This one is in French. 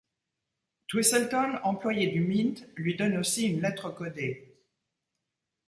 Twistleton, employé du Mint, lui donne aussi une lettre codée.